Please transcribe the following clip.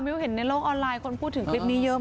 เห็นในโลกออนไลน์คนพูดถึงคลิปนี้เยอะมาก